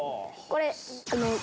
これ。